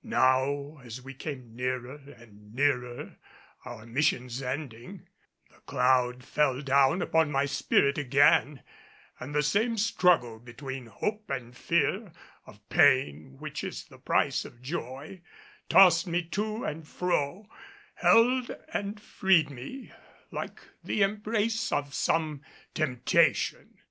Now as we came nearer and nearer our mission's ending, the cloud fell down upon my spirit again, and the same struggle between hope and fear of pain which is the price of joy tossed me to and fro held and freed me, like the embrace of some temptation.